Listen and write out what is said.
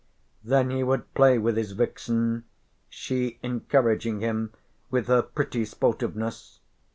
Then he would play with his vixen, she encouraging him with her pretty sportiveness.